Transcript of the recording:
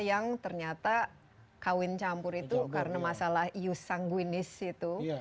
yang ternyata kawin campur itu karena masalah ius sangguinis itu